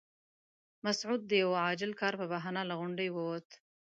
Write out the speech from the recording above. مسعود د یوه عاجل کار په بهانه له غونډې ووت.